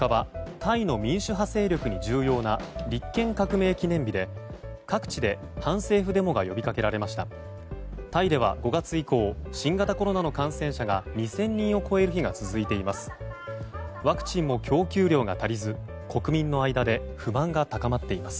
タイでは５月以降新型コロナの感染者が２０００人を超える日が続いています。